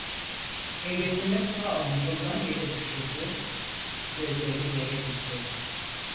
Heybesini sağ omuzundan yere düşürdü, gözlerini yere dikti.